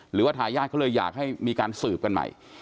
หรือว่าทายาทเขาเลยอยากให้มีการสืบกันใหม่